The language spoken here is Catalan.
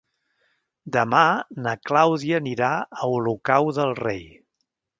Demà na Clàudia anirà a Olocau del Rei.